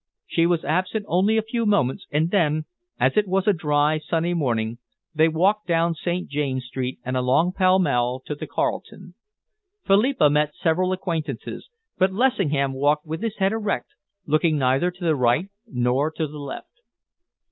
She was absent only a few moments, and then, as it was a dry, sunny morning, they walked down St. James Street and along Pall Mall to the Carlton. Philippa met several acquaintances, but Lessingham walked with his head erect, looking neither to the right nor to the left.